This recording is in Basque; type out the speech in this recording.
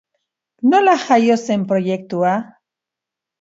Nola jaio zen proiektua?